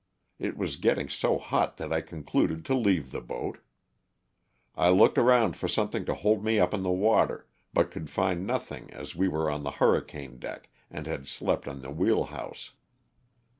It was getting so hot that I concluded to leave the boat. I looked around for something to hold me up in the water, but could find nothing as we were on the hurricane deck and had slept on the wheel house.